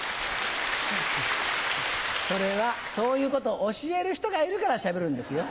それはそういうことを教える人がいるからしゃべるんですよ。